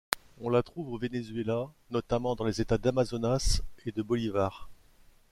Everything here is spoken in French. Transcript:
On la trouve au Venezuela, notamment dans les États d'Amazonas et de Bolívar.